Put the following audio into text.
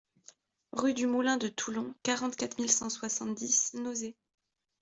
Rue du Moulin de Toulon, quarante-quatre mille cent soixante-dix Nozay